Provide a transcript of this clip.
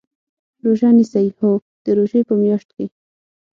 روژه نیسئ؟ هو، د روژی په میاشت کې